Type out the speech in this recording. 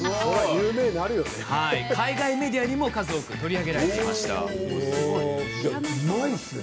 海外メディアにも数多く取り上げられたんです。